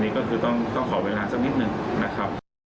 นี่ก็คือต้องขอเวลาสักนิดนึงนะครับ